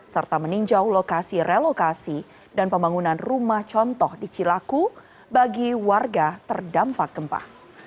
serta meninjau lokasi relokasi dan pembangunan rumah contoh di cilaku bagi warga terdampak gempa